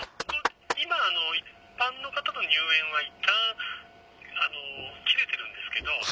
今一般の方の入園はいったん切れてるんですけど。